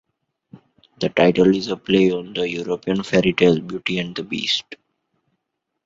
The title is a play on the European fairy tale "Beauty and the Beast".